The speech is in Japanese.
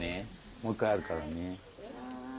もう一回あるからね。